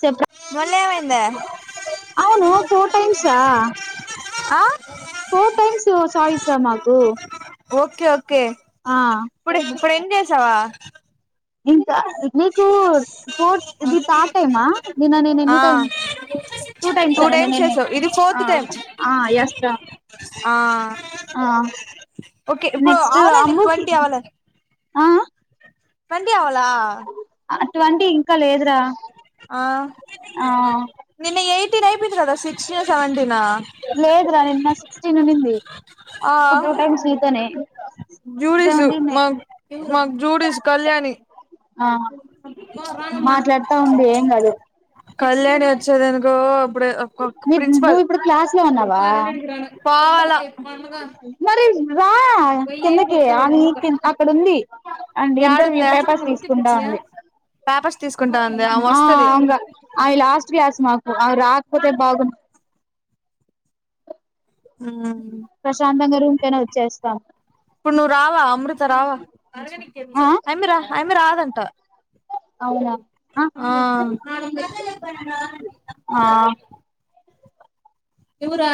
చె మళ్ళీ ఏమైందే అవును ఫోర్ టైమ్సా ఆ ఫోర్ టైమ్స్ చాయిస్ రా మాకు ఓకే ఓే ఓకే ఆ ఇప్పుడు ఇప్పుడు ఎం చేసావా ఇం నీకు ఫోర్ ఇది థర్డ్ టైమ్ హ నిన్న ఆ ఎన్ని టైమ్ టూ టైమ్ టైమ్స్ చేసావ్ ఇది ఫోర్త్ టైమ్ ఆ ఓకే ఇప్పుడు నెక్స్ట్ అవ్వలే అమ్ముకి ట్వంటీ అవ్వలే ఆ వంీ అవలా అటువంటి ఇంకా లేదురా ఆ ఆ నిన్న ఎయిట్ నైయిట్ కద సిక్స్టీ సవెంటీ ఇ లేద రా నిన్న నింది ఆ జూడీసు సెవెంటీన్ మా మాకు జూడీస్ కళ్యాణి ఆ మాట్లాడుతా ఉంది ఏం కాదు కళ్యాణి వచ్చద ఇప్పుడు మీరు ప్రిసిపాల్ాల నువ్వు ఇప్పుడు క్లాస్ సరి రా కిందకే అది అక్కడ ఉంది ఆండ్ ఇంటర్వ్యూ యాడుందే పేపర్స్ తీసుకుంటా ఉంది పేపర్స్ తీసుకుంటాంది ఆమె ఆ వస్తది అవి లాస్ట్ క్లాస్ మాకు అవి రాక్ తే భాగం హ్మ్మ్ హ్మ్మ్ ప్రశాంతంగా రూమ్ కైనా వచ్చేస్తాం ఇప్పుడు నువ్వు రావా అమృత రావా ఆ అమ్మి రా అమ్మి రా. దంటా ఆ ఆ ఇవ్వు రా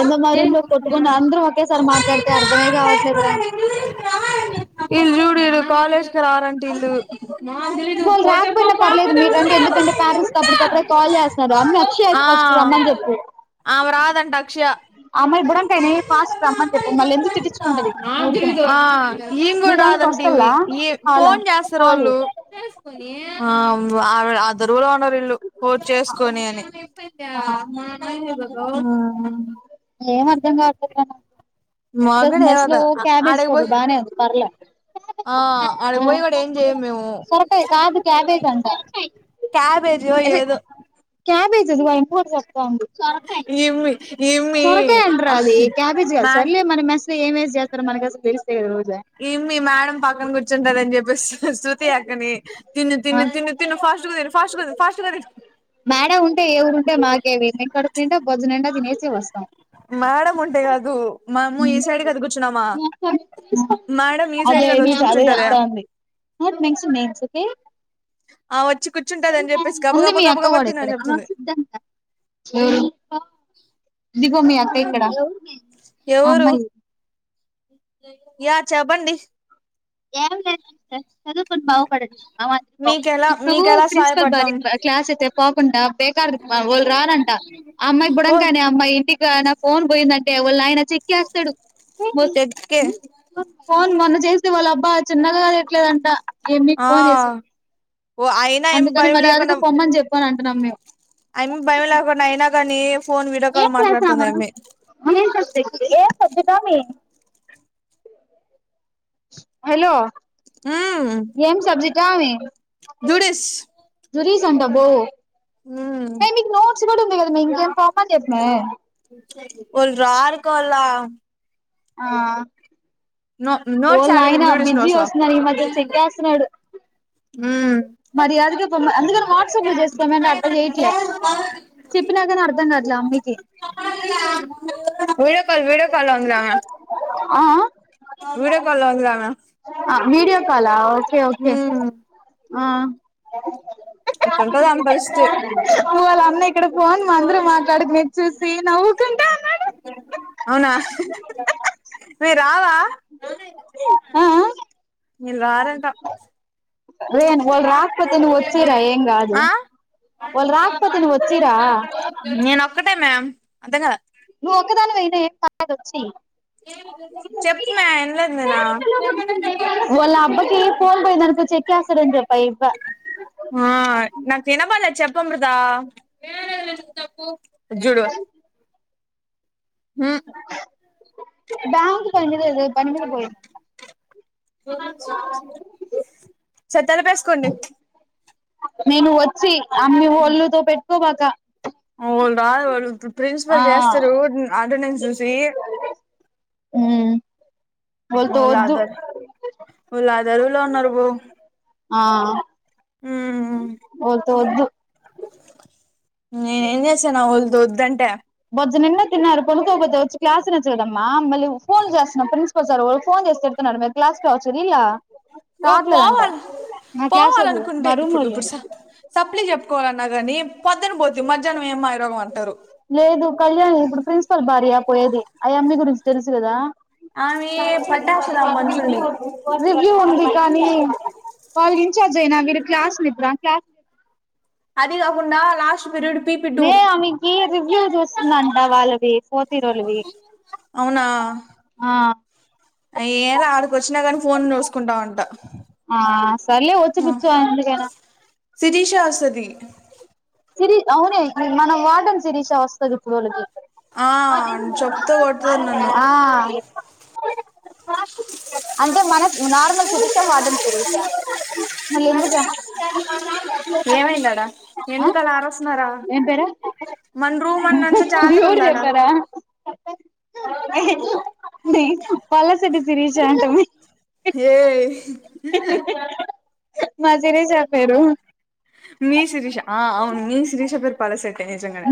ఏందో మా రూమ్ ఇటు లో కొట్టుకుని అందరూ ఒకేసారి మాట్లాడితే అర్థమే కావట్లేదురా చూడు. ఆ కాలేజ్ రారంట ఈల్లు వాళ్ళు రాకపోయినా పర్లేదు మీరు రండి ఎందుకంటే పేరెంట్స్ కి అప్పటికప్పుడే కాల్ చేస్తున్నారు అమ్మి అక్షయ ఆ ఫస్ట్ రమ్మని చెప్పు ఆమె రాదంట అక్షయ అమ్మాయి బుడంకాయని ఫాస్ట్ గా రమ్మని చెప్పు మళ్ళీ ఎందుకు తీటిచ్చుకుంటది ఊరికనే. ఆ ఈమె కూడా రాదంట ఈమె ఈ ఫోన్ చేస్తారు వాళ్ళు ఆ [unintelligible] అదరవొళ్ళు ఉన్నరు ఇళ్లు ఫోన్ చేసుకొని అని ఆ హ్మ్మ్ ఏం అర్ధం కావట్లేదు రా నాకు ఈరోజు మగడు మెస్ ఏవద లో క్యాబేజ్ ఆడికి పప్పు పోయి బానే ఉంది పర్లే ఆ ఆ ఆడికి పోయి కూడా ఏం చేయము మేము సొరకాయ కాదు క్యాబేజ్ అంట. ఏ ఏదో క్యాబేజీ ఎందుకు మాయ్ కూర చేస్ [unintelligible] సొరకాయ్ ఇమ్మి ఇమ్మి సొరకాయ అంటరా అది క్యాబేజ్గా మేడం సర్లీ మరి మస్ ఏమేసి చేస్తారు మనకి అసలు తెలుసు ఈ అమ్మి మేడం పక్కన కూర్చుంటదని చెప్ శు శృతి అక్కని తిను ఆ తిను తిను తిను ఫాస్ట్ గా తిను ఫాస్ట్ గా తిను ఫాస్ట్ గా మేడం ఉంటే ఏవరు ఉంటే మాకేవి మేము కడుపు నిండా బొజ్జనిండా తినేసి వస్తాం మేడం ఉంటే కాదు మేము ఈ సైడ్ కది కూర్చున్నామా మేడం ఈ సైడ్ కదా వచ్చి అదే కూర్చుంటదా చెప్తాంది. ఆ వచ్చి కూర్చుంటది అని చెప్పేసి గబ గబ గబ గబ తినని చెప్తుంది మీ అక్క ఎక్కడ ఎవరు అమ్మాయి యా చెప్పండి ఏం లేదు సిస్టర్ చదు బాగు పడద్ అవుకుండా మీకెలా ఇప్పుడు మీకెలా ప్రిన్సిపల్ బరి సహాయపడతాం క్లాస్ అయితే పోకుండా బేకారు వాళ్ళు రారంతా ఆ అమ్మాయి ఓ బుడం కానీ అమ్మాయి ఇంటికినా ఫోన్ పోయిందంటే ఎ వాళ్ళయన చెక్ ఏస్తాడు చెక్కే అవున మన అతే వాళ్ళ అబ్బా చిన్నగాట్లేదంట ఈ అమ్మికి ఆ ఫోన్ చేసి ఓ అయినా ఏం అందుకని భయం లేకుండా మర్యాదగా పొమ్మని చెప్పను మేం ఆమె భయం లేకుండా అయినా కానీ ఫోన్ వీడియో కాల్ మాట్లాడుతుంది ఆమె ఏ సబ్జెక్ట్ ఆమె హలో ఏం సబ్జ గామే జ్యూడిస్ అబ్బో హ మ ఉంది కదా మీ ఇంక ఏం పాపడిన్నా వారు రారు కల ఆ నోట్స్ యాడ్ వాఓళయనా జూడిస్ బిజీ నోట్స్ ఆ వస్తున్నారు ఈ మధ్య చెక్కేస్తున్నాడు ఉమ్ మరి అదుక అందుకని వాట్సాప్ లో చేసుకోమ అంట అట్ట చెయట్లే చెప్పినా కానీ అర్థం కాట్లే అమయి కి వీడియో కాల్ వీడియో కాల్ లో ఉందిరా ఆమె ఆ ఆ వీడియో కాలా ఓకే ఓకే [unintelligible] ఆ ఆటా ఉంటంది ఆమె పరిస్థితి వాళ్ళ అన్న ఇక్కడ ఫోన్ మా అందరం మాట్లాడుకునేది చూసి నవ్వుకుంటా అన్నాడు చె ఆ ఆ మీల్ రారంట రేన్ వాళ్ళు రాకపోతే నువ్వు వచ్చిరా ఏం కాదు అ వాళ్ళు రాకపోతే నువ్వు వచ్చిరా న ఒకటే మ్యామ్ అర్థం కాలే నువ్వు ఒక్కదానివి అయిన ఏం పర్లేదు ఓచేయి చెప్పుమా ఇనలేదు నేను వాళ్ళ అబ్బకి ఫోన్ పోయిందనుకో చెక్కేస్తాడని చెప్పా ఈ అబ్బ ఆ నాకు ఇనపల్లె చెప్పు అమృత ఏేర చేసిన తప్ప ఇటుచుడు బ్యాంక్ పని అదే అే పనీ మీద పాయ్ చెత్తలు వేసుకోండి మేను ఓ వచ్చి అమ్మి ఒళ్ళుతో పెట్టుకోబక [inaudible] ా ప్రిన్సిపల్ ఆ చేస్తారు అటెండెన్స్ చూసి ఉమ్ వాళ్ళతో వద్దు ఓలాదర ఓలాదర లా ఉన్నారు బో ఆ ఉమ్ వద్దు వద్దు నాన్ ఏం చేసే దొదంటే ప నిన్న తిన్నారు పొందుకోకపోతే వచ్చి క్లాస్ నచ్చు కదమ్మా మళ్ళీ ఫోన్ చేస్తున్నాం ప్రిన్సిపల్ సార్ వాళ్ు ఫోన్ చేసి తితున్నారు మీరు క్లాస్ లో అవచ్చు ఇలా ఓ పోవాల క్లాసోళ్ళు పోవాలనుకుంటే మా ఇప్పుడు రూమోళ్ళు ఇప్పుడు సప్లి చెప్పుకోవాలన్నా కాని పంధన పో ద్ది మధ్యాహనం ఏంమారోగం అంటారు లేదు కళ్యాణి ఇప్పుడు ప్రిన్సిపల్ భార్య పోయేది అ అమ్మీ గురించి తెలుసు కదా ఆమె పట్టేస్తది ఆ మనుషుల్ని రివ్యు ఉంది కానీ వాళ్ళ ఇన్ఛార్జ్ అయినా వీరు క్లాస్ నిదరా క్లాస్ అదికాకుండా లాస్ట్ విరడు పి పి టు మే ఆమెకి రివ్యూ చూస్తున్నాంట వాళ్ళవి ఫోర్త్ ఇయర్ ఒల్లావి అవునా ఏలా ఆడికి వచ్చినా కాని ఫోన్ చూసుకుంటాంంట ఆ సర్లే వచ్చి కూర్చో ఎందుకైనా సిరీష వస్తది సిిరీ అవునే మనం వాటని శిరీష వస్తుంది పడులకి ఆ చెప్తో కొడతారు నన్ను అంటే మన నార్మల్ సిరీష వాటల్ సిరీక్ష మ ఎందుకు ఏమైందాడా ఆ ఎందు కా ఆర వస్తున్నారా ఏం పేరు మన రూమన్న ఎంత జాతర ఉందాడా పోలీసెట్ శిరీష్ ఆంట్మే ఏ మాజిరే చెప్పారు మీ శిరీష ఆ అవును మీ శిరీష పేరు పాలసె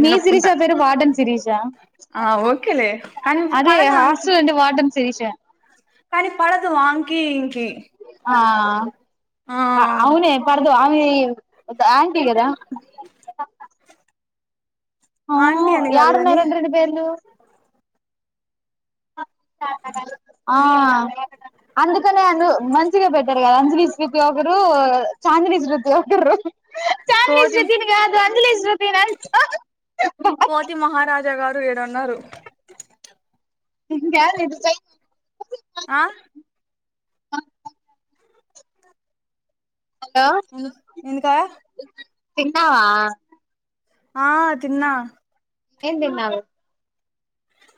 మీ శిరీష పేరు వార్డన్ శిరీష ఆ ఓకేలే కానీ అదే పడదు ఆంకి హాస్టల్ అండి వార్డన్ శిరీష కానీ పడదు వాంకి ఇంకి ఆ ఆ అవునే పడదు ఆమ్ ఇ ప్రాంక్ గదా ఆ ఆంటీ అని కాదు యాడున్నాయి కాని రెండు రెండు పేర్లు ఆ అందుకనే అందు మంచిగ పెట్టారు కదా అంజలి శృతి ఒకరు చాందిని శృతి ఒకరు చాందిని కోతి శృతిని కాదు అంజ్ ని శ్రు [inaudible] కోతి మహారాజా గారు ఈడున్నారు [inaudible] ఆ హలో ఎందుకా తిన్నావా ఆ తిన్నా ఏం తిన్నావు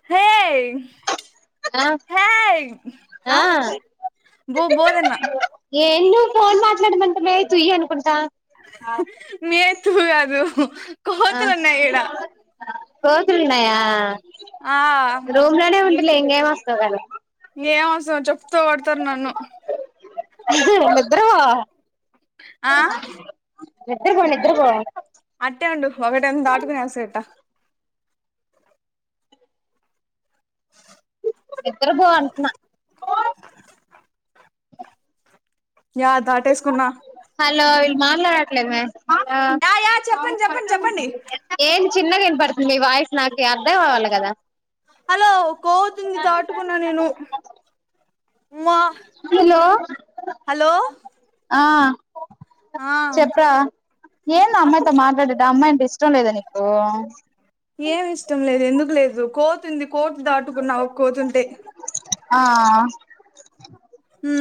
హేయ్ ఆ ఆ బో బోదన్న ఏ ఫోన్ మాట్లాడమంటమే తుయ్ అనుకుంటా తూ గాదు ఆ కోతులున్నాయ ఆ ర్లే ఇంగేమి వస్తావు ఏం అవసరం చెప్తో కొడతరు నన్ను అయితే ఏం లే బ్రో ఆ నిద్ర పోలేదు నిద్రపో అట్టే ఉండు ఒకటేమో దాటుకుని వేసేట నిద్దర పో అంటున్నా యా దాటేసుకున్నా లో వీళ్ళు మాట్లాడట్లేదు మే ఆ యా యా చెప్పండి చెప్పండి చెప్పండి ఏ చిన్నగా వినపడుతుంది మీ వాయిస్ నాకు అర్థం అవ్వలి కదా హలో ఒక్క దాటుకున్నా నేను మా హలో హలో ఆ ఆ చెప్ప అందమ్మ అక్క ఇట్ల మాట్లాడడం అమ్మాయి ఇష్టం లేదా నీకు ఏమి ఇష్టం లేదు ఎందుకు లేదు కోతుంది కోటు దాటుకున్నావు కోతుంటే ఆ ఉ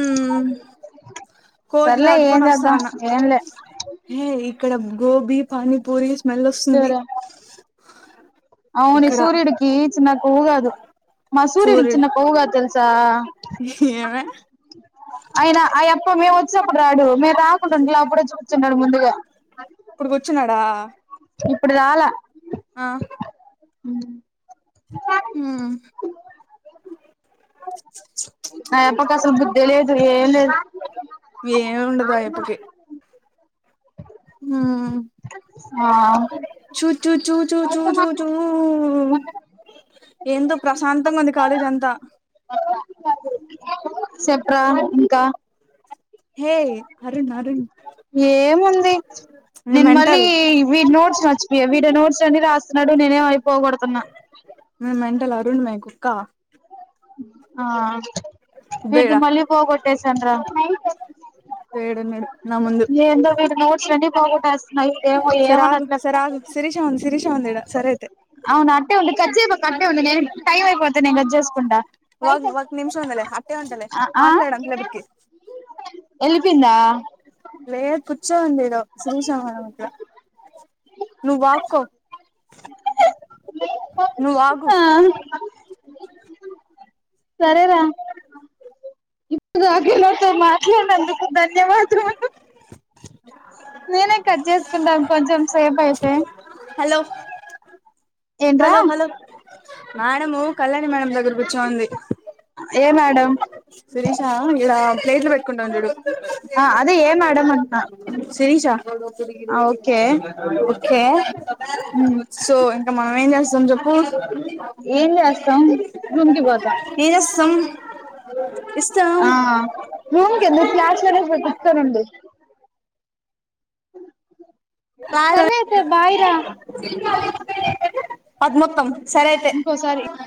కోతి సర్లే ఏం దాటుకొని వస్తా చేద్దాం అన్న ఏంలే హై ఇక్కడ గోభీ పని పూరి స్మెల్ వస్తుంది అవును ఇక్కడ సూర్యుడుకి నాకు హగదు మ సూర్డి సూర్యుడు చిన్న పవుగాతల్ స ఏమే అయినా అయప్ప మేము వచైనప్పుడు రాడు మీ తాకుంటంలే అప్పుడ చిన్ ముందుగా ఇప్పుడు కూర్చున్నాడా ఇప్పుడు రాల ఆ ఉ ఉ అ ఉమ్ అసలు బుద్ధి లేదు ఏం లేదు ఎమ్ ఉండదాయప్పకి ఉ ఆ చూ చూ చూ చూ చూ చూ చూ ఏందో ప్రశాంతంగా ఉంది కాలేజీ అంతా చెప్రా ఇంకా హే అరుణ్ అరుణ్ ఏముంది మీ నేను మళ్ళీ మెంటల్ వీడి నోట్స్ మర్చిపోయా వీడ నోట్స్ అన్న రాస్తున్నాడు నేనే అయిపోకడుతున్నా అరుణ్మేక్క ఆ ఇద్దో విద్ధి ఈడ మళ్లిపోగొట్టేసాన్రా న స ఏడున్నాడు ఎందో వీడు నోట్స్ లన్ని బాగొట్టేస్తున్నాయి ఏమో సరే ఆగు ఏమనట్లే సరే ఆగు శిరీష ఉంది శిరీష ఉంది ఈడ సరే అయితే అవును అట్టె ఉంది కచ్చే అ ఉంది నేను టైం అయిపోతది నేను గది చేసుకుండా ఒక్ ఒక నిమిషం ఉందిలే అట్టే వంటదిలే మాట్లాడంతలపటికి ఎళ్లి పోయిందా లేద్ పుచ్చ ఉంది శ్రీశమ మట్ల నువ్ వాక్కో నువ్ ఆగు సరే రా ఇప్పుడు నాతో మాట్లాడినందుకు ధన్యవాదాలు ఉ నేనే కట్ చేసుకుంటాన్ కొంచెం సేపు అయితే హలో ఏంట్రా hello hello madam collect madam దగ్గర కూర్చోమంది ఏ మేడం శిరీష ఇలా ప్లేట్లు పెట్టుకుంటాము చూడు ఆ అదే ఏ మేడం అంటున్నా శిరీష ఓకే ఓకే సో ఇంకా మనం ఏం చేస్తాం చెప్పు ఏం చేస్తాం రూమ్ కి పోతాం ఏం చెస్తం ఇస్తాం క ఎందు క్లాస్ లోనే ఉండు రారు సరే అయితే బాయ్ రా అద్మొత్తం సరే అయితే ఇంకోసారి